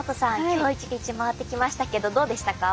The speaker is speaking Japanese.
今日１日回ってきましたけどどうでしたか？